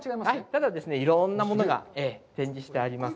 ただ、いろんなものが展示してありますね。